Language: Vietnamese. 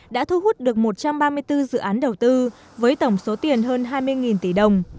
đã thu hút được một trăm ba mươi bốn dự án đầu tư với tổng số tiền hơn hai mươi tỷ đồng